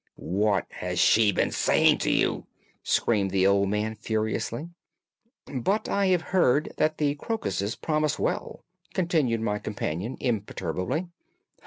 "What has she been saying to you?" screamed the old man furiously. "But I have heard that the crocuses promise well," continued my companion imperturbably.